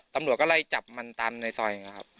ตำรวจก็ไล่จับมันตามในซอย